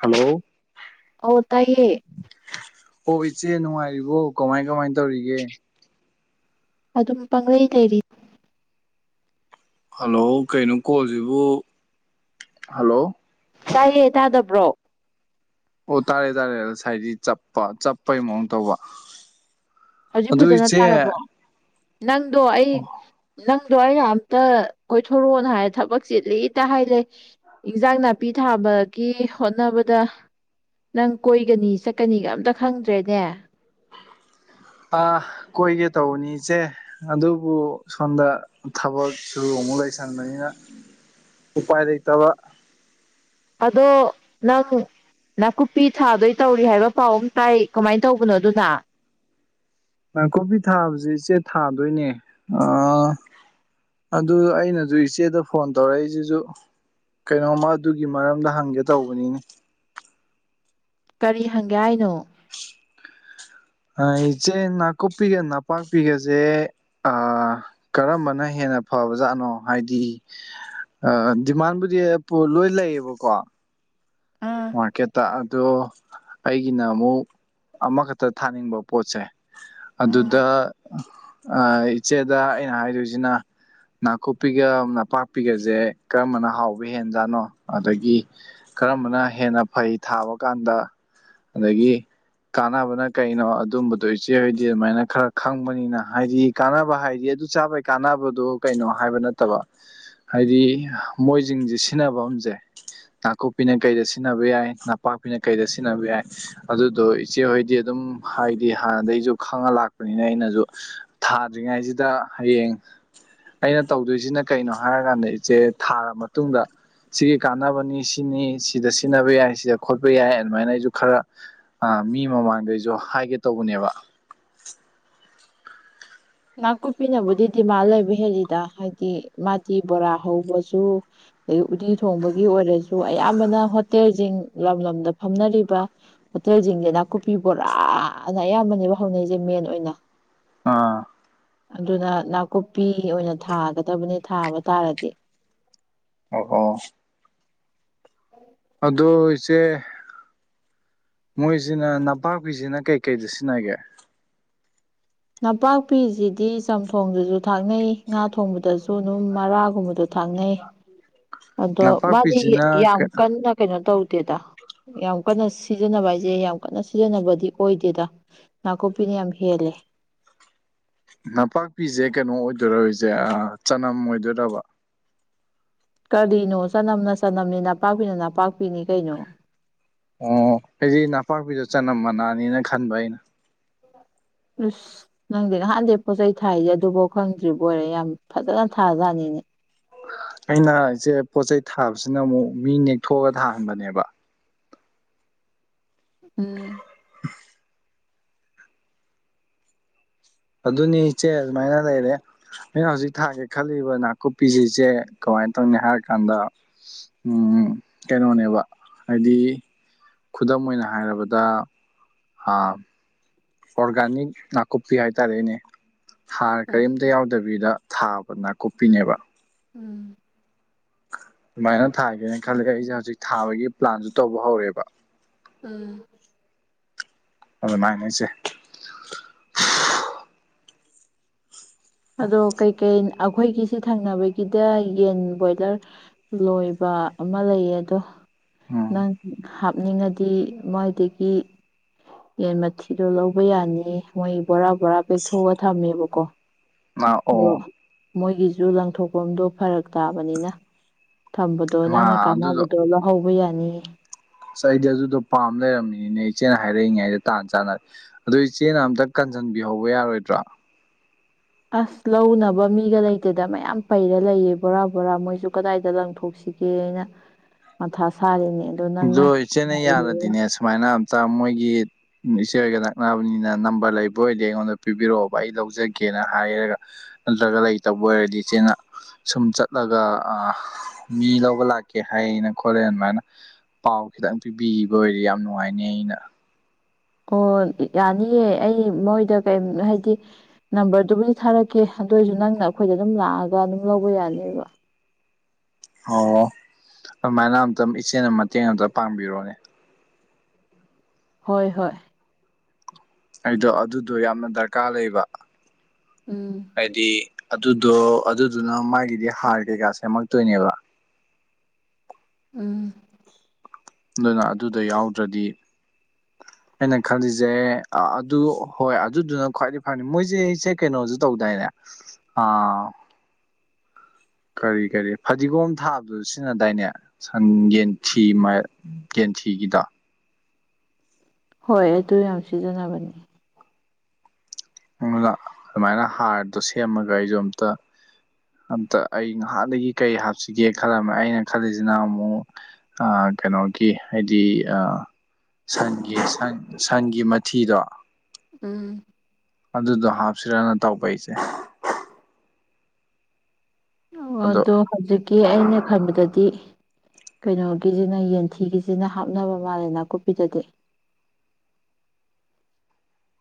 Hello ꯑꯧ ꯇꯥꯏꯌꯦ ꯑꯣ ꯏꯆꯦ ꯅꯨꯡꯉꯥꯏꯔꯤꯕꯣ ꯀꯃꯥꯏ ꯀꯃꯥꯏ ꯇꯧꯔꯤꯒꯦ ꯑꯗꯨꯝ ꯄꯪꯂꯩ ꯂꯩꯔꯤ ꯍꯜꯂꯣ ꯀꯩꯅꯣ ꯀꯣꯜꯖꯤꯕꯨ ꯍꯜꯂꯣ ꯇꯥꯏꯌꯦ ꯇꯥꯗꯕ꯭ꯔꯣ ꯑꯣ ꯇꯥꯔꯦ ꯇꯥꯔꯦ ꯉꯁꯥꯏꯗꯤ ꯆꯞꯄ ꯆꯞꯄꯩ ꯃꯑꯣꯡ ꯇꯧꯕ ꯍꯧꯖꯤꯛ ꯑꯗꯨ ꯐꯖꯅ ꯏꯆꯦ ꯇꯥꯔꯕꯣ ꯅꯪꯗꯣ ꯑꯩ ꯅꯪꯗꯣ ꯑꯩꯅ ꯑꯝꯇ ꯀꯣꯏꯊꯣꯔꯛꯑꯣꯅ ꯍꯥꯏꯔꯦ ꯊꯕꯛ ꯆꯤꯠꯂꯤꯇ ꯍꯥꯏ ꯂꯩ ꯏꯟꯖꯥꯡ ꯅꯥꯄꯤ ꯊꯥꯕꯒꯤ ꯍꯣꯠꯅꯕꯗ ꯅꯪ ꯀꯣꯏꯒꯅꯤ ꯆꯠꯀꯅꯤꯒ ꯑꯝꯇ ꯈꯪꯗ꯭ꯔꯦꯅꯦ ꯑꯥ ꯀꯣꯏꯒꯦ ꯇꯧꯕꯅꯤ ꯏꯆꯦ ꯑꯗꯨꯕꯨ ꯁꯣꯝꯗ ꯊꯕꯛ ꯁꯨ ꯑꯃꯨꯛ ꯂꯩꯁꯟꯕꯅꯤꯅ ꯎꯄꯥꯏ ꯂꯩꯇꯕ ꯑꯗꯣ ꯅꯪ ꯅꯥꯀꯨꯞꯄꯤ ꯊꯥꯗꯣꯏ ꯇꯧꯔꯤ ꯍꯥꯏꯕ ꯄꯥꯎ ꯑꯃ ꯇꯥꯏ ꯀꯃꯥꯏꯅ ꯇꯧꯕꯅꯣ ꯑꯗꯨꯅ ꯅꯥꯀꯨꯞꯄꯤ ꯊꯥꯕꯖꯤ ꯏꯆꯦ ꯊꯥꯗꯣꯏꯅꯦ ꯑꯥ ꯑꯗꯨ ꯑꯩꯅꯖꯨ ꯏꯆꯦꯗ ꯐꯣꯟ ꯇꯧꯔꯛꯏꯖꯤꯖꯨ ꯀꯩꯅꯣꯝꯃ ꯑꯗꯨꯒꯤ ꯃꯔꯝꯗ ꯍꯪꯒꯦ ꯇꯧꯕꯅꯤꯅꯦ ꯀꯔꯤ ꯍꯪꯒꯦ ꯍꯥꯏꯅꯣ ꯑ ꯏꯆꯦ ꯅꯥꯀꯨꯞꯄꯤꯒ ꯅꯄꯥꯛꯄꯤꯒꯁꯦ ꯑ ꯀꯔꯝꯕꯅ ꯍꯦꯟꯅ ꯐꯕ ꯖꯥꯠꯅꯣ ꯍꯥꯏꯗꯤ ꯑ ꯗꯤꯃꯥꯟꯕꯨꯗꯤ ꯂꯣꯏ ꯂꯩꯌꯦꯕꯀꯣ ꯑꯥ ꯃꯥꯔꯀꯦꯠꯇ ꯑꯗꯣ ꯑꯩꯒꯤꯅ ꯑꯃꯨꯛ ꯑꯃꯈꯛꯇ ꯊꯥꯅꯤꯡꯕ ꯄꯣꯠꯁꯦ ꯑꯥ ꯑꯗꯨꯗ ꯏꯆꯦꯗ ꯑꯩꯅ ꯍꯥꯏꯗꯣꯏꯁꯤꯅ ꯅꯥꯀꯨꯞꯄꯤꯒ ꯅꯄꯥꯛꯄꯤꯒꯁꯦ ꯀꯔꯝꯕꯅ ꯍꯥꯎꯕ ꯍꯦꯟꯖꯥꯠꯅꯣ ꯑꯗꯒꯤ ꯀꯔꯝꯕꯅ ꯍꯦꯟꯅ ꯐꯩ ꯊꯥꯕ ꯀꯥꯟꯗ ꯑꯗꯒꯤ ꯀꯥꯟꯅꯕꯅ ꯀꯩꯅꯣ ꯑꯗꯨꯝꯕꯗꯣ ꯏꯆꯦ ꯑꯣꯏꯗꯤ ꯑꯗꯨꯃꯥꯏꯅ ꯈꯔ ꯈꯪꯕꯅꯤꯅ ꯍꯥꯏꯗꯤ ꯀꯥꯟꯅꯕ ꯍꯥꯏꯗꯤ ꯑꯗꯨ ꯆꯥꯕꯩ ꯀꯥꯟꯅꯕꯗꯨ ꯀꯩꯅꯣ ꯍꯥꯏꯕ ꯅꯠꯇꯕ ꯍꯥꯏꯗꯤ ꯃꯣꯏꯁꯤꯡꯁꯦ ꯁꯤꯖꯤꯟꯅꯕꯝꯁꯦ ꯅꯥꯀꯨꯞꯄꯤꯅ ꯀꯩꯗ ꯁꯤꯖꯤꯟꯅꯕ ꯌꯥꯏ ꯅꯄꯥꯛꯄꯤꯅ ꯀꯩꯗ ꯁꯤꯖꯤꯟꯅꯕ ꯌꯥꯏ ꯑꯗꯨꯗꯣ ꯏꯆꯦꯍꯣꯏꯗꯤ ꯑꯗꯨꯝ ꯍꯥꯏꯗꯤ ꯍꯥꯟꯅꯗꯒꯝꯁꯨ ꯈꯪꯉ ꯂꯥꯛꯄꯅꯤꯅ ꯑꯩꯅꯁꯨ ꯊꯥꯗ꯭ꯔꯤꯉꯩꯁꯤꯗ ꯍꯌꯦꯡ ꯑꯩꯅ ꯇꯧꯗꯣꯏꯁꯤꯅ ꯀꯩꯅꯣ ꯍꯥꯏꯔꯀꯥꯟꯗ ꯏꯆꯦ ꯊꯥꯔ ꯃꯇꯨꯡꯗ ꯁꯤꯒꯤ ꯀꯥꯟꯅꯕꯅꯤ ꯁꯤꯅꯤ ꯁꯤ ꯁꯤꯗ ꯁꯤꯖꯤꯟꯅꯕ ꯌꯥꯏ ꯁꯤꯗ ꯈꯣꯠꯄ ꯌꯥꯏ ꯑꯗꯨꯃꯥꯏꯅ ꯑꯩꯁꯨ ꯈꯔ ꯃꯤ ꯃꯃꯥꯡꯗ ꯑꯩꯁꯨ ꯍꯥꯏꯒꯦ ꯇꯧꯕꯅꯦꯕ ꯅꯥꯀꯨꯞꯄꯤꯅꯕꯨꯗꯤ ꯗꯤꯃꯥꯟ ꯂꯩꯕ ꯍꯦꯜꯂꯤꯗ ꯍꯥꯏꯗꯤ ꯃꯥꯇꯤ ꯕꯣꯔꯥ ꯍꯧꯕꯁꯨ ꯑꯗꯒꯤ ꯎꯇꯤ ꯊꯣꯡꯕꯒꯤ ꯑꯣꯏꯔꯁꯨ ꯑꯌꯥꯝꯕꯅ ꯍꯣꯇꯦꯜꯁꯤꯡ ꯂꯝ ꯂꯝꯗ ꯐꯝꯅꯔꯤꯕ ꯍꯣꯇꯦꯜꯁꯤꯡꯁꯤ ꯅꯥꯀꯨꯞꯄꯤ ꯕꯣꯔꯥꯅ ꯑꯌꯥꯝꯕꯅꯦꯕ ꯍꯧꯅꯩꯁꯦ ꯃꯦꯟ ꯑꯣꯏꯅ ꯑꯥ ꯑꯗꯨꯅ ꯅꯥꯀꯨꯞꯄꯤ ꯑꯣꯏꯅ ꯊꯥꯒꯗꯕꯅꯤ ꯊꯥꯕ ꯇꯥꯔꯗꯤ ꯑꯣ ꯑꯣ [inaudible] ꯑꯗꯣ ꯏꯆꯦ ꯃꯣꯏꯁꯤꯅ ꯅꯄꯥꯛꯄꯤꯁꯤꯅ ꯀꯩꯀꯩꯗ ꯁꯤꯖꯤꯟꯅꯒꯦ ꯅꯄꯥꯛꯄꯤꯁꯤꯗꯤ ꯆꯝꯊꯣꯡꯗꯁꯨ ꯊꯥꯛꯅꯩ ꯉꯥ ꯊꯣꯡꯕꯗꯁꯨ ꯑꯗꯨꯝ ꯃꯔꯥꯒꯨꯝꯕꯗꯣ ꯊꯥꯡꯅꯩ ꯑꯗꯣ ꯃꯥꯗꯤ ꯅꯄꯥꯛꯄꯤꯁꯤꯅ ꯌꯥꯝ ꯀꯟꯅ ꯀꯩꯅꯣ ꯇꯧꯗꯦꯗ ꯌꯥꯝ ꯀꯟꯅ ꯁꯤꯖꯤꯟꯅꯕ ꯍꯥꯏꯁꯦ ꯌꯥꯝ ꯀꯟꯅ ꯁꯤꯖꯤꯟꯅꯕꯗꯤ ꯑꯣꯏꯗꯦꯗ ꯅꯥꯀꯨꯞꯄꯤꯅ ꯌꯥꯝ ꯍꯦꯜꯂꯦ ꯅꯄꯥꯛꯄꯤꯁꯦ ꯀꯩꯅꯣ ꯑꯣꯏꯗꯣꯏꯁꯦ ꯆꯅꯝ ꯑꯣꯏꯗꯣꯏꯔꯕ ꯀꯔꯤꯅꯣ ꯆꯅꯝꯅ ꯆꯅꯝꯅꯤ ꯅꯄꯥꯛꯄꯤꯅ ꯅꯄꯥꯛꯄꯤꯅꯤ ꯀꯩꯅꯣ ꯑꯣ ꯑꯩꯗꯤ ꯅꯄꯥꯛꯄꯤꯗ ꯆꯅꯝ ꯃꯅꯥꯅꯤꯅ ꯈꯟꯕ ꯑꯩꯅ ꯑꯁ ꯅꯪꯗꯤ ꯅꯍꯥꯟꯗꯩ ꯄꯣꯠꯆꯩ ꯊꯥꯏꯁꯦ ꯑꯗꯨꯐꯥꯎ ꯈꯪꯗ꯭ꯔꯤꯕꫭꯏꯔꯦ ꯌꯥꯝ ꯐꯖꯅ ꯊꯥꯖꯥꯠꯅꯤꯅꯦ ꯑꯩꯅ ꯏꯆꯦ ꯄꯣꯠꯆꯩ ꯊꯥꯕꯁꯤꯅ ꯑꯃꯨꯛ ꯃꯤ ꯅꯦꯛꯊꯣꯛꯑꯒ ꯊꯥꯍꯟꯕꯅꯦꯕ ꯎꯝ ꯑꯗꯨꯅꯤ ꯏꯆꯦ ꯑꯗꯨꯃꯥꯏꯅ ꯂꯩꯔꯦ ꯑꯩꯅ ꯍꯧꯖꯤꯛ ꯊꯥꯒꯦ ꯈꯜꯂꯤꯕ ꯅꯥꯀꯨꯞꯄꯤꯁꯤꯁꯦ ꯀꯃꯥꯏꯅ ꯇꯧꯅꯤ ꯍꯥꯏꯔ ꯀꯥꯟꯗ ꯎꯝ ꯀꯩꯅꯣꯅꯦꯕ ꯍꯥꯏꯗꯤ ꯈꯨꯗꯝ ꯑꯣꯏꯅ ꯍꯥꯏꯔꯕꯗ ꯍꯥꯔ ꯑꯣꯔꯒꯥꯅꯤꯛ ꯅꯥꯀꯨꯞꯄꯤ ꯍꯥꯏꯇꯥꯔꯦꯅꯦ ꯍꯥꯔ ꯀꯔꯤꯝꯇ ꯌꯥꯎꯗ ꯗꯕꯤꯗ ꯊꯥꯕ ꯅꯥꯀꯨꯞꯄꯤꯅꯦꯕ ꯎꯝ ꯑꯗꯨꯃꯥꯏꯅ ꯊꯥꯒꯦꯅ ꯈꯜꯂꯤ ꯑꯩꯁꯦ ꯍꯧꯖꯤꯛ ꯊꯥꯕꯒꯤ ꯄ꯭ꯂꯥꯟꯁꯨ ꯇꯧꯕ ꯍꯧꯔꯦꯕ ꯎꯝ ꯑꯗꯨꯃꯥꯏꯅ ꯏꯆꯦ ꯑꯗꯣ ꯀꯩꯀꯩ ꯑꯩꯈꯣꯏꯒꯤꯁꯤ ꯊꯪꯅꯕꯒꯤꯗ ꯌꯦꯟ ꯕꯣꯏꯂꯔ ꯂꯣꯏꯕ ꯑꯃ ꯂꯩꯌꯦ ꯑꯗꯣ ꯎꯝ ꯅꯪ ꯍꯥꯞꯅꯤꯡꯉꯗꯤ ꯃꯣꯏꯗꯒꯤ ꯌꯦꯟ ꯃꯊꯤꯗꯣ ꯂꯧꯕ ꯌꯥꯅꯤ ꯃꯣꯏ ꯕꯣꯔꯥ ꯕꯣꯔꯥ ꯄꯦꯛꯊꯣꯛꯑ ꯊꯝꯃꯦꯕꯀꯣ ꯑꯣ ꯑꯗꯣ ꯃꯣꯏꯒꯤꯁꯨ ꯂꯪꯊꯣꯛꯐꯝꯗꯣ ꯐꯔꯛ ꯇꯥꯕꯅꯤꯅ ꯊꯝꯕꯗꯣ ꯃꯥ ꯅꯪꯅ ꯑꯗꯨꯗꯣ ꯀꯥꯟꯅꯕꯗꯣ ꯂꯧꯍꯧꯕ ꯌꯥꯅꯤꯌꯦ ꯑꯁ ꯑꯩꯗꯤ ꯑꯗꯨꯗꯣ ꯄꯥꯝ ꯂꯩꯝꯃꯤꯅꯤꯅꯦ ꯏꯆꯦꯅ ꯍꯥꯏꯔꯛꯏꯉꯩꯗ ꯇꯥꯟ ꯆꯥꯅꯔꯦ ꯑꯗꯨ ꯏꯆꯦꯅ ꯑꯝꯇ ꯀꯟꯖꯟꯕꯤꯍꯧꯕ ꯌꯥꯔꯣꯏꯗ꯭ꯔꯣ ꯑꯁ ꯂꯧꯅꯕ ꯃꯤꯒ ꯂꯩꯇꯦꯗ ꯃꯌꯥꯝ ꯄꯩꯔ ꯂꯩꯌꯦ ꯕꯣꯔꯥ ꯕꯣꯔꯥ ꯃꯣꯏꯁꯨ ꯀꯗꯥꯏꯗ ꯂꯪꯊꯣꯛꯁꯤꯒꯦ ꯒꯦꯅ ꯃꯊꯥ ꯁꯥꯔꯤꯅꯤ ꯑꯗꯨ ꯑꯗꯣ ꯏꯆꯦꯅ ꯌꯥꯔꯗꯤꯅꯦ ꯁꯨꯃꯥꯏꯅ ꯑꯝꯇ ꯃꯣꯏꯒꯤ ꯏꯆꯦꯒ ꯅꯛꯅꯕꯅꯤꯅ ꯅꯝꯕꯔ ꯂꯩꯕ ꯑꯣꯏꯗꯤ ꯑꯩꯉꯣꯟꯗ ꯄꯤꯕꯤꯔꯛꯑꯣꯕ ꯑꯩ ꯂꯧꯖꯒꯦꯅ ꯍꯥꯏꯔꯒ ꯅꯠꯇ꯭ꯔꯒ ꯂꯩꯇꯕ ꯑꯣꯏꯔꯗꯤ ꯏꯆꯦꯅ ꯁꯨꯝ ꯆꯠꯂꯒ ꯑ ꯃꯤ ꯂꯧꯕ ꯂꯥꯛꯀꯦ ꯍꯥꯏ ꯑꯩꯅ ꯈꯣꯠꯂꯦ ꯑꯗꯨꯃꯥꯏꯅ ꯄꯥꯎ ꯈꯤꯇꯪ ꯄꯤꯕꯤꯕ ꯑꯣꯏꯔꯦ ꯌꯥꯝ ꯅꯨꯡꯉꯥꯏꯅꯦ ꯑꯩꯅ ꯑꯣ ꯌꯥꯅꯤꯑꯦ ꯑꯩ ꯃꯣꯏꯗ ꯀꯩ ꯍꯥꯏꯗꯤ ꯅꯝꯕꯔꯗꯨꯕꯨꯗꯤ ꯊꯥꯔꯛꯀꯦ ꯑꯗꯨꯏꯁꯨ ꯅꯪꯅ ꯑꯩꯈꯣꯏꯗ ꯑꯗꯨꯝ ꯂꯥꯛꯑꯒ ꯑꯗꯨꯝ ꯂꯧꯕ ꯌꯥꯅꯦꯕ ꯑꯣ ꯑꯗꯨꯃꯥꯏꯅ ꯑꯝꯇ ꯏꯆꯦꯅ ꯃꯇꯦꯡ ꯑꯃꯝꯇ ꯄꯥꯡꯕꯤꯔꯣꯅꯦ ꯍꯣꯏ ꯍꯣꯏ ꯑꯩꯗꯣ ꯑꯗꯨꯗꯣ ꯌꯥꯝꯅ ꯗꯔꯀꯥꯔ ꯂꯩꯕ ꯎꯝ ꯍꯥꯏꯗꯤ ꯑꯗꯨꯗꯣ ꯑꯗꯨꯗꯨꯅ ꯃꯥꯒꯤꯗꯤ ꯍꯥꯔ ꯀꯩꯀꯥ ꯁꯦꯝꯃꯛꯇꯣꯏꯅꯦꯕ ꯎꯝ ꯑꯗꯨꯅ ꯑꯗꯨꯗꫭ ꯌꯥꯎꯗ꯭ꯔꯗꯤ ꯑꯩꯅ ꯈꯜꯂꯤꯁꯦ ꯑꯗꯨ ꯍꯣꯏ ꯑꯗꯨꯗꯨꯅ ꯈ꯭ꯋꯥꯏꯗꯒꯤ ꯐꯅꯤ ꯃꯣꯏꯁꯦ ꯏꯌꯦ ꯀꯩꯅꯣꯁꯨ ꯇꯧꯗꯥꯏꯅꯦ ꯑꯥ ꯀꯔꯤ ꯀꯔꯤ ꯐꯗꯤꯒꯣꯝ ꯊꯥꯕꯗꯨ ꯁꯤꯖꯤꯟꯅꯗꯥꯏꯅꯦ ꯁꯟ ꯌꯦꯟ ꯊꯤ ꯃꯩ ꯦꯟꯁꯤꯒꯤꯗ ꯍꯣꯏ ꯑꯗꯨ ꯌꯥꯝ ꯁꯤꯖꯤꯟꯅꯕꯅꯦ ꯑꯗꯨ ꯑꯗꯨꯃꯥꯏꯅ ꯍꯥꯔꯗꯣ ꯁꯦꯝꯃꯒ ꯑꯩꯁꯨ ꯑꯝꯇ ꯑꯝꯇ ꯑꯩ ꯉꯥꯏꯍꯥꯟꯗꯒꯤ ꯀꯔꯤ ꯍꯥꯞꯁꯤꯒꯦ ꯈꯜꯂꯝꯃꯦ ꯑꯩꯅ ꯈꯜꯂꯤꯁꯤꯅ ꯑꯃꯨꯛ ꯀꯩꯅꯣꯒꯤ ꯍꯥꯏꯗꯤ ꯁꯟꯒꯤ ꯁꯟ ꯁꯟꯒꯤ ꯃꯊꯤꯗꯣ ꯎꯝ ꯑꯗꯨꯗꯣ ꯍꯥꯞꯁꯤꯔꯅ ꯇꯧꯕ ꯏꯆꯦ [unintelligible] ꯑꯣ ꯑꯗꯣ ꯍꯧꯖꯤꯛꯀꯤ ꯑꯩꯅ ꯈꯟꯕꯗꯗꯤ ꯀꯩꯅꯣꯒꯤꯁꯤꯅ ꯌꯦꯟꯊꯤꯒꯤꯁꯤꯅ ꯍꯥꯞꯅꯕ ꯃꯥꯜꯂꯦ ꯅꯥꯀꯨꯞꯄꯤꯗꯗꯤ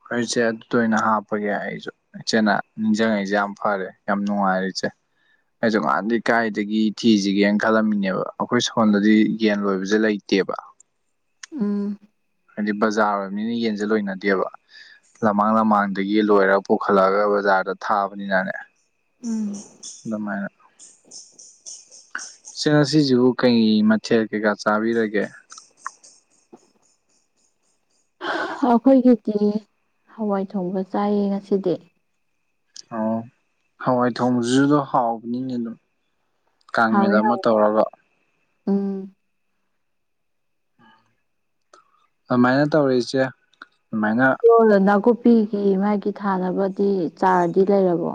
ꯐꯔꯤꯁꯦ ꯑꯗꯨꯗ ꯑꯣꯏꯅ ꯍꯥꯞꯄꯒꯦ ꯑꯩꯁꯨ ꯏꯆꯦꯅ ꯅꯤꯡꯁꯤꯡꯉꯩꯁꯦ ꯌꯥꯝ ꯐꯔꯦ ꯌꯥꯝ ꯅꯨꯡꯉꯥꯏꯔꯦ ꯏꯆꯦ ꯑꯩꯁꯨ ꯉꯥꯟꯗꯤ ꯀꯥꯏꯗꯒꯤ ꯊꯤꯁꯤꯒꯦꯅ ꯈꯜꯂꯝꯃꯤꯅꯦꯕ ꯑꯩꯈꯣꯏ ꯁꯣꯣꯟꯗꯗꯤ ꯌꯦꯟ ꯂꯣꯏꯕꯁꯦ ꯂꯩꯇꯦꯕ ꯎꯝ ꯍꯥꯏꯗꯤ ꯕꯖꯥꯔ ꯑꯣꯏꯕꯅꯤꯅ ꯌꯦꯟꯁꯦ ꯂꯣꯏꯅꯗꯦꯕ ꯂꯃꯥꯡ ꯂꯝꯃꯥꯡꯗꯒꯤ ꯂꯣꯏꯔꯒ ꯄꯨꯈꯠꯂꯛꯑꯒ ꯕꯖꯥꯔꯗ ꯊꯥꯕꯅꯤꯅꯅꯦ ꯎꯝ ꯑꯗꯨꯃꯥꯏꯅ ꯁꯤꯅ ꯁꯤꯁꯤꯕꯨ ꯀꯩ ꯃꯊꯦꯜ ꯀꯩꯀꯥ ꯆꯥꯕꯤꯔꯒꯦ ꯑꯩꯈꯣꯏꯒꯤꯗꯤ ꯍꯋꯥꯏ ꯊꯣꯡꯕ ꯆꯥꯏꯌꯦ ꯉꯁꯤꯗꯤ ꯑꯣ ꯍꯋꯥꯏ ꯊꯣꯡꯁꯤ ꯑꯗꯨꯣ ꯍꯥꯎꯕꯅꯤꯅꯦ ꯑꯗꯨꯝ ꯀꯥꯡꯃꯤꯗ ꯍꯥꯎꯋꯦ ꯑꯃ ꯇꯧꯔꯒ ꯍꯥꯎꯋꯦ ꯑꯗꯨꯃꯥꯏꯅ ꯇꯧꯔꯤꯁꯦ ꯑꯗꯨꯃꯥꯏꯅ ꯣ ꯅꯥꯀꯨꯞꯄꯤꯒꯤ ꯃꯥꯒꯤ ꯊꯥꯅꯕꯗꯤ ꯆꯥꯔꯗꯤ ꯂꯩꯔꯕꯣ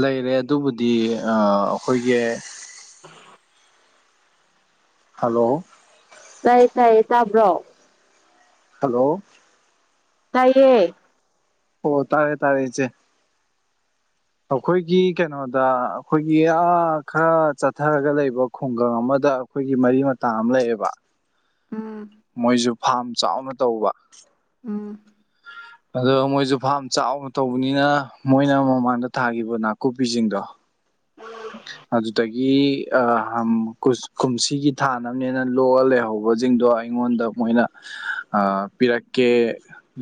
ꯂꯩꯔꯦ ꯑꯗꯨꯕꯨꯗꯤ ꯑꯩꯈꯣꯏꯒꯤ ꯍꯜꯂꯣ ꯇꯥꯏꯌꯦ ꯇꯥꯏꯌꯦ ꯇꯥꯕ꯭ꯔꯣ ꯍꯂꯣ ꯇꯥꯏꯌꯦ ꯑꯣ ꯇꯥꯔꯦ ꯇꯥꯔꯦꯆꯦ ꯑꯩꯈꯣꯏꯒꯤ ꯀꯩꯅꯣꯗ ꯑꯩꯈꯣꯏꯒꯤ ꯈꯔ ꯆꯠꯊꯔꯒ ꯂꯩꯕ ꯈꯨꯡꯒꯪ ꯑꯃꯗ ꯑꯩꯈꯣꯏꯒꯤ ꯃꯔꯤ ꯃꯇꯥ ꯑꯃ ꯂꯩꯑꯦꯕ ꯎꯝ ꯃꯣꯏꯁꯨ ꯐꯥꯝ ꯆꯥꯎꯅ ꯇꯧꯕ ꯎꯝ ꯑꯗꯣ ꯃꯣꯏꯁꯨ ꯐꯥꯝ ꯆꯥꯎꯅ ꯇꯧꯕꯅꯤꯅ ꯃꯣꯏꯅ ꯃꯃꯥꯡꯗ ꯊꯥꯈꯤꯕ ꯅꯥꯀꯨꯞꯄꯤꯁꯤꯡꯗꯣ ꯎꯝ ꯑꯗꯨꯗꯒꯤ ꯀꯨꯝꯁꯤꯒꯤ ꯊꯥꯟ ꯑꯃꯅꯦꯅ ꯂꯣꯛꯑ ꯂꯩꯍꯧꯕꯁꯤꯡꯗꯣ ꯑꯩꯉꯣꯟꯗ ꯃꯣꯏꯅ ꯄꯤꯔꯛꯀꯦ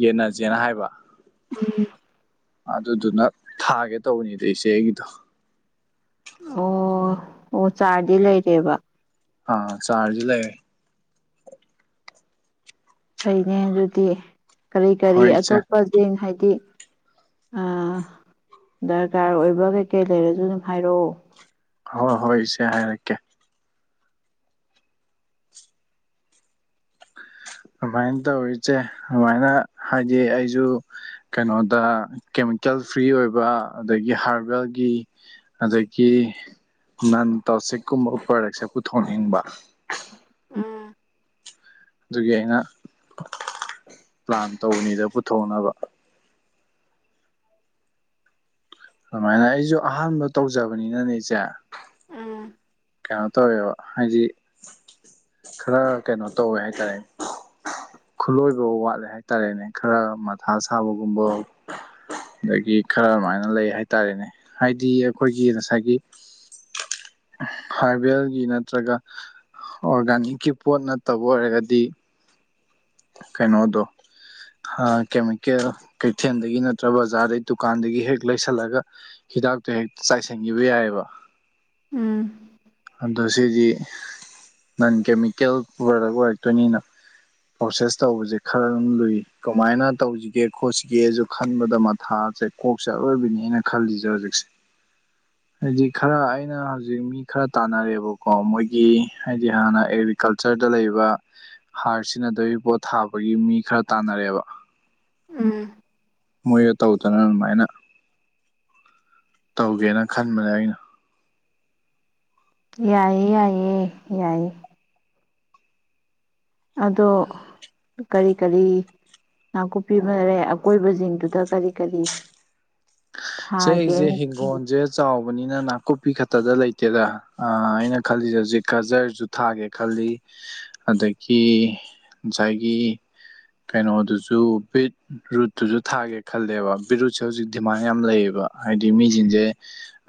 ꯌꯦꯟꯅꯖꯦꯅ ꯍꯥꯏꯕ ꯎꯝ ꯑꯗꯨꯗꯨꯅ ꯊꯥꯒꯦ ꯇꯧꯕꯅꯤꯗ ꯏꯆꯦ ꯑꯩꯒꯤꯗꯣ ꯑꯣ ꯑꯣ ꯆꯥꯔꯗꯤ ꯂꯩꯔꯦꯕ ꯑꯥ ꯆꯥꯔꯖ ꯂꯩꯦ ꯐꯩꯅꯦ ꯑꯗꯨꯗꯤ ꯀꯔꯤ ꯀꯔꯤ ꯍꯣꯏ ꯏꯆꯦ ꯑꯇꯣꯞꯄꯁꯤꯡ ꯍꯥꯏꯗꯤ ꯗꯔꯀꯥꯔ ꯑꯣꯏꯕ ꯀꯩꯀꯩ ꯂꯩꯔꯁꯨ ꯑꯗꯨꯝ ꯍꯥꯏꯔꯛꯑꯣ ꯍꯣꯏ ꯍꯣꯏ ꯏꯆꯦ ꯍꯥꯏꯔꯛꯀꯦ ꯑꯗꯨꯃꯥꯏꯅ ꯇꯧꯔꯤꯁꯦ ꯑꯗꯨꯃꯥꯏꯅ ꯍꯥꯏꯗꯤ ꯑꯩꯁꯨ ꯀꯩꯅꯣꯗ ꯀꯦꯃꯤꯀꯦꯜ ꯐ꯭ꯔꯤ ꯑꯣꯏꯕ ꯑꯗꯒꯤ ꯍꯥꯔꯕꯦꯜꯒꯤ ꯑꯗꯒꯤ ꯅꯟ ꯇꯣꯁꯤꯛꯀꯨꯝꯕ ꯄ꯭ꯔꯗꯛꯁꯦ ꯄꯨꯊꯣꯛꯅꯤꯡꯕ ꯎꯝ ꯑꯗꯨꯒꯤ ꯑꯩꯅ ꯄ꯭ꯂꯥꯟ ꯇꯧꯕꯅꯤꯗ ꯄꯨꯊꯣꯛꯅꯕ ꯑꯗꯨꯃꯥꯏꯅ ꯑꯩꯁꯨ ꯑꯍꯥꯟꯕ ꯇꯧꯖꯕꯅꯤꯅꯅꯦ ꯑꯩꯁꯦ ꯀꯩꯅꯣ ꯇꯧꯋꯦꯕ ꯍꯥꯏꯗꯤ ꯈꯔ ꯀꯩꯅꯣ ꯇꯧꯋꯦ ꯍꯥꯏꯇꯥꯔꯦ ꯈꯨꯠꯂꯣꯏꯕ ꯋꯥꯠꯂꯦ ꯍꯥꯏꯇꯥꯔꯦꯅꯦ ꯈꯔ ꯃꯊꯥ ꯁꯥꯕꯒꯨꯝꯕ ꯗꯒꯤ ꯈꯔ ꯑꯃꯥꯏꯅ ꯂꯩ ꯍꯥꯏꯇꯥꯔꯦꯅꯦ ꯍꯥꯏꯗꯤ ꯑꯈꯣꯏꯒꯤ ꯉꯁꯥꯏꯒꯤ ꯍꯔꯕꯦꯜꯒꯤ ꯅꯠꯇ꯭ꯔꯒ ꯑꯣꯔꯒꯥꯅꯤꯛꯀꯤ ꯄꯣꯠ ꯅꯠꯇꯕ ꯑꯣꯏꯔꯒꯗꯤ ꯀꯩꯅꯣꯗꯣ ꯍꯥꯔ ꯀꯦꯃꯤꯀꯦꯜ ꯀꯩꯊꯦꯜꯗꯒꯤ ꯅꯠꯇ꯭ꯔꯒ ꯕꯖꯥꯔꯗꯒꯤ ꯗꯨꯀꯥꯟꯗꯒꯤ ꯍꯦꯛ ꯂꯩꯁꯜꯂꯒ ꯍꯤꯗꯥꯛꯇꯣ ꯍꯦꯛ ꯆꯥꯏꯁꯟꯒꯤꯕ ꯌꯥꯏꯕ꯫ ꯎꯝ ꯑꯗꯣ ꯁꯤꯗꯤ ꯅꯟꯀꯦꯃꯤꯀꯦꯜ ꯄ꯭ꯔꯣꯗꯛ ꯑꯣꯏꯔꯛꯇꯣꯏꯅꯤꯅ ꯄ꯭ꯔꯣꯁꯦꯁ ꯇꯧꯕꯖꯦ ꯈꯔ ꯗꯨꯝ ꯂꯨꯏ ꯀꯃꯥꯏꯅ ꯇꯧꯁꯤꯒꯦ ꯈꯣꯠꯁꯤꯒꯦꯁꯨ ꯈꯟꯕꯗ ꯃꯊꯥꯖꯦ ꯀꯣꯛ ꯆꯦꯔꯣꯏꯕꯤꯅꯤ ꯑꯩꯅ ꯈꯜꯂꯤꯖꯦ ꯍꯧꯖꯤꯛꯁꯦ ꯍꯥꯏꯗꯤ ꯈꯔ ꯑꯩꯅ ꯍꯧꯖꯤꯛ ꯃꯤ ꯈꯔ ꯇꯥꯟꯅꯔꯦꯕꯀꯣ ꯃꯣꯏꯒꯤ ꯍꯥꯏꯗꯤ ꯍꯥꯟꯅ ꯑꯦꯒ꯭ꯔꯤꯀꯜꯆꯔꯗ ꯂꯩꯕ ꯍꯥꯔ ꯁꯤꯖꯤꯟꯅꯗꯕꯤ ꯄꯣꯠ ꯊꯥꯕꯒꯤ ꯃꯤ ꯈꯔ ꯇꯥꯟꯅꯔꯦꯕ꯫ ꯎꯝ ꯃꯣꯏꯗ ꯇꯧꯗꯅ ꯑꯗꯨꯃꯥꯏꯅ ꯇꯧꯒꯦꯅ ꯈꯟꯕꯅꯦ ꯑꯩꯅ꯫ ꯌꯥꯏꯌꯦ ꯌꯥꯏꯌꯦ ꯌꯥꯏꯌꯦ ꯑꯗꯣ ꯀꯔꯤ ꯀꯔꯤ ꯅꯥꯀꯨꯞꯄꯤ ꯐꯔꯦ ꯑꯀꯣꯏꯕꯖꯤꯡꯗꯨꯗ ꯀꯔꯤ ꯀꯔꯤ ꯆꯦ ꯑꯩꯖꯦ ꯊꯥꯒꯦꯅ ꯍꯤꯡꯒꯣꯟꯖꯦ ꯆꯥꯎꯕꯅꯤꯅ ꯅꯥꯀꯨꯞꯄꯤ ꯈꯠꯇꯗ ꯂꯩꯇꯦꯗ ꯑ ꯑꯩꯅ ꯈꯜꯂꯤꯖꯦ ꯍꯧꯖꯤꯛ ꯒꯖꯔꯖꯨ ꯊꯥꯒꯦ ꯈꯜꯂꯤ ꯑꯗꯒꯤ ꯉꯁꯥꯏꯒꯤ ꯀꯩꯅꯣꯗꯨꯖꯨ ꯕꯤꯠ ꯔꯨꯠꯇꯨꯖꯨ ꯊꯥꯒꯦ ꯈꯥꯜꯂꯦꯕ ꯕꯤꯠꯔꯨꯠꯁꯦ ꯍꯧꯖꯤꯛ ꯗꯤꯃꯥꯟ ꯌꯥꯝ ꯂꯩꯌꯦ꯫ ꯕ ꯍꯥꯏꯗꯤ ꯃꯤꯖꯤꯡꯖꯦ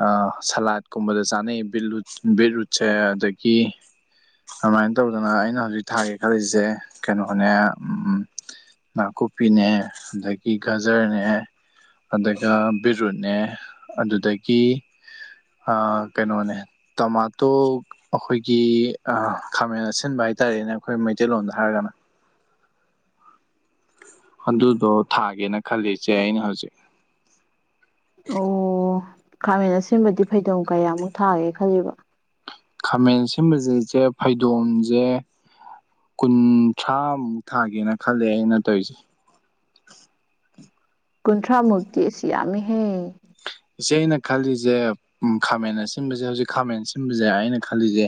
ꯑ ꯁꯂꯥꯠꯀꯨꯝꯕꯗ ꯆꯥꯅꯩ ꯕꯤꯠꯂꯨꯠ ꯕꯤꯠꯔꯨꯠꯁꯦ ꯑꯗꯒꯤ ꯑꯃꯥꯏꯅ ꯇꯧꯗꯅ ꯑꯩꯅ ꯍꯧꯖꯤꯛ ꯊꯥꯒꯦ ꯈꯜꯂꯤꯁꯦ ꯀꯩꯅꯣꯅꯦ ꯎꯝ-ꯝ ꯅꯥꯀꯨꯞꯄꯤꯅꯦ ꯗꯒꯤ ꯒꯖꯔꯅꯦ ꯑꯗꯒ ꯕꯤꯔꯨꯠꯅꯦ ꯑꯗꯨꯗꯒꯤ ꯑ ꯀꯩꯅꯣꯅꯦ ꯇꯃꯥꯇꯣ ꯑꯈꯣꯏꯒꯤ ꯑ ꯈꯥꯃꯦꯟ ꯑꯁꯤꯟꯕ ꯍꯥꯏꯇꯥꯔꯦꯅꯦ ꯑꯈꯣꯏ ꯃꯩꯇꯩꯂꯣꯟꯗ ꯍꯥꯏꯔꯒꯅ ꯑꯗꯨꯗꯣ ꯊꯥꯒꯦꯅ ꯈꯜꯂꯤ ꯏꯆꯦ ꯑꯩꯅ ꯍꯧꯖꯤꯛ꯫ ꯑꯧꯋꯣ ꯈꯥꯃꯦꯟ ꯑꯁꯤꯟꯕꯗꯤ ꯐꯩꯗꯣꯝ ꯀꯌꯥꯃꯨꯛ ꯊꯥꯒꯦ ꯈꯜꯂꯤꯕ꯫ ꯈꯥꯃꯦꯟ ꯑꯁꯤꯟꯕꯖꯦ ꯏꯆꯦ ꯐꯩꯗꯣꯝꯖꯦ ꯀꯨꯟꯊ꯭ꯔꯥꯃꯨꯛ ꯊꯥꯒꯦꯅ ꯈꯜꯂꯦ ꯑꯩꯅ ꯇꯧꯏꯖꯦ꯫ ꯀꯨꯟꯊ꯭ꯔꯥ ꯃꯨꯛꯇꯤ ꯏꯁ ꯌꯥꯝꯃꯤꯍꯦ꯫ ꯏꯆꯦ ꯑꯩꯅ ꯈꯜꯂꯤꯖꯦ ꯎꯝ ꯈꯥꯃꯦꯟ ꯑꯁꯤꯟꯕꯖꯦ ꯍꯧꯖꯤꯛ ꯈꯥꯃꯦꯟ ꯁꯤꯟꯕꯖꯦ ꯑꯩꯅ ꯈꯜꯂꯤꯖꯦ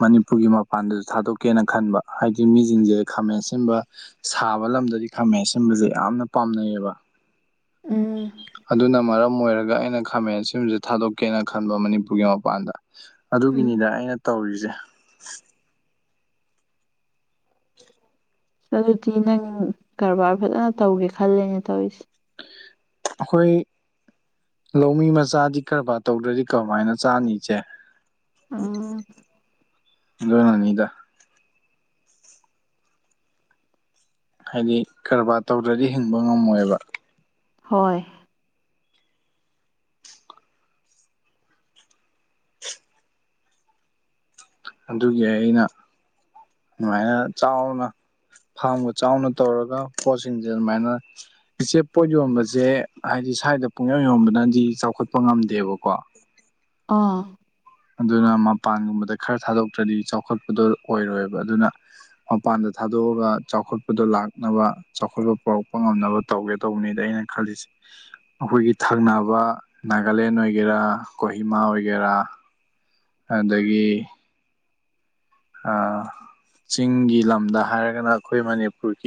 ꯃꯅꯤꯄꯨꯔꯒꯤ ꯃꯄꯥꯟꯗꯖꯨ ꯊꯥꯗꯣꯛꯀꯦꯅ ꯈꯟꯕ ꯍꯥꯏꯗꯤ ꯃꯤꯖꯤꯡꯖꯦ ꯈꯥꯃꯦꯟ ꯑꯁꯤꯟꯕ ꯁꯥꯕ ꯂꯝꯗꯗꯤ ꯈꯥꯃꯦꯟ ꯁꯤꯟꯕꯖꯦ ꯌꯥꯝꯅ ꯄꯥꯝꯅꯩꯌꯦꯕ꯫ ꯎꯝ ꯑꯗꯨꯅ ꯃꯔꯝ ꯑꯣꯏꯔꯒ ꯑꯩꯅ ꯈꯥꯃꯦꯟ ꯑꯁꯤꯟꯕꯖꯦ ꯊꯥꯗꯣꯛꯀꯦꯅ ꯈꯟꯕ ꯃꯅꯤꯄꯨꯔꯒꯤ ꯃꯄꯥꯟꯗ꯫ ꯎꯝ ꯑꯗꯨꯒꯤꯅꯤꯗ ꯑꯩꯅ ꯇꯧꯔꯤꯖꯦ ꯑꯗꯨꯗꯤ ꯅꯪ ꯀꯔꯕꯥꯔ ꯐꯖꯅ ꯇꯧꯒꯦ ꯈꯜꯂꯦꯅꯦ ꯇꯧꯏꯖꯦ꯫ ꯑꯈꯣꯏ ꯂꯧꯃꯤ ꯃꯆꯥꯗꯤ ꯀꯔꯕꯥꯔ ꯇꯧꯗ꯭ꯔꯗꯤ ꯀꯃꯥꯏꯅ ꯆꯥꯅꯤ ꯏꯆꯦ꯫ ꯎꯝ ꯗꯨꯅꯅꯤꯗ ꯍꯥꯏꯗꯤ ꯀꯔꯕꯥꯔ ꯇꯧꯗ꯭ꯔꯗꯤ ꯍꯤꯡꯕ ꯉꯝꯃꯣꯏꯕ꯫ ꯍꯣꯏ ꯑꯗꯨꯒꯤ ꯑꯩꯅ ꯑꯗꯨꯃꯥꯏꯅ ꯆꯥꯎꯅ ꯐꯥꯝꯒ ꯆꯥꯎꯅ ꯇꯧꯔꯒ ꯄꯣꯠꯁꯤꯡꯖꯦ ꯑꯗꯨꯃꯥꯏꯅ ꯏꯆꯦ ꯄꯣꯠ ꯌꯣꯟꯕꯖꯦ ꯍꯥꯏꯗꯤ ꯁꯥꯏꯗ ꯄꯨꯡ ꯌꯣꯟꯕꯅꯗꯤ ꯆꯥꯎꯈꯠꯄ ꯉꯝꯗꯦꯕꯀꯣ꯫ ꯑ ꯑꯗꯨꯅ ꯃꯄꯥꯟꯒꯨꯝꯕꯗ ꯈꯔ ꯊꯥꯗꯣꯛꯇ꯭ꯔꯗꯤ ꯆꯥꯎꯈꯠꯄꯗꯣ ꯑꯣꯏꯔꯣꯏꯕ ꯑꯗꯨꯅ ꯃꯄꯥꯟꯗ ꯊꯥꯗꯣꯛꯑꯒ ꯆꯥꯎꯈꯠꯄꯗꯣ ꯂꯥꯛꯅꯕ ꯆꯥꯎꯈꯠꯄ ꯄꯨꯔꯛꯄ ꯉꯝꯅꯕ ꯇꯧꯒꯦ ꯇꯧꯕꯅꯤꯗ ꯑꯩꯅ ꯈꯜꯂꯤꯁꯦ ꯑꯩꯈꯣꯏꯒꯤ ꯊꯪꯅꯕ ꯅꯥꯒꯥꯂꯦꯟ ꯑꯣꯏꯒꯦꯔꯥ ꯀꯣꯍꯤꯃꯥ ꯑꯣꯏꯒꯦꯔꯥ ꯑꯗꯒꯤ ꯑ ꯆꯤꯡꯒꯤ ꯂꯝꯗ ꯍꯥꯏꯔꯒꯅ ꯑꯩꯈꯣꯏ ꯃꯅꯤꯄꯨꯔꯒꯤ